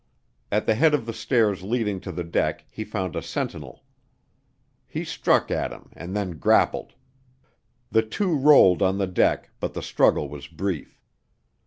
At the head of the stairs leading to the deck he found a sentinel. He struck at him and then grappled. The two rolled on the deck, but the struggle was brief.